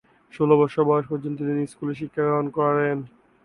ষোল বছর বয়স পর্যন্ত তিনি স্কুল শিক্ষা গ্রহণ করেন।